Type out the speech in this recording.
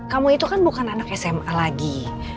kamu itu kan bukan anak sma lagi